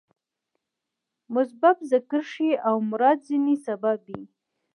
مسبب ذکر شي او مراد ځني سبب يي.